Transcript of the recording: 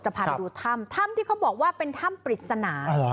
พาไปดูถ้ำถ้ำที่เขาบอกว่าเป็นถ้ำปริศนา